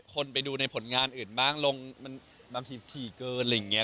คนไปดูในผลงานอื่นบ้างลงมันบางทีถี่เกินอะไรอย่างนี้